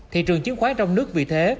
thị trường chiến khoái trong nước vì thế